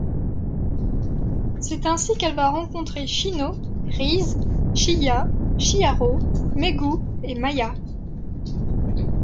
C'est ainsi qu'elle va rencontrer Chino, Rize, Chiya, Shyaro, Megu et Maya.